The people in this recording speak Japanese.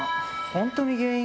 本当に原因